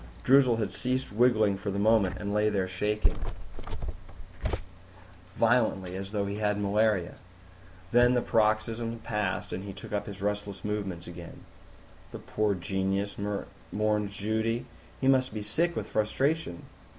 Droozle had ceased wriggling for the moment and lay there shaking violently, as though he had malaria. Then the paroxysm passed and he took up his restless movements again. "The poor genius," mourned Judy. "He must be sick with frustration."